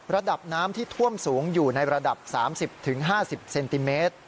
ระดับน้ำที่ท่วมสูงอยู่ในระดับ๓๐๕๐เซนติเมตร